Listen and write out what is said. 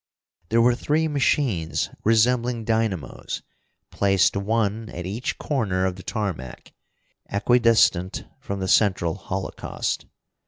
There were three machines resembling dynamos, placed one at each corner of the tarmac, equidistant from the central holocaust.